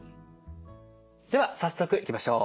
では早速いきましょう。